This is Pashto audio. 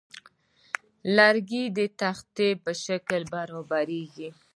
لرګی د تختې په شکل برابریږي.